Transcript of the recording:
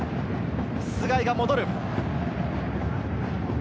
須貝が戻る。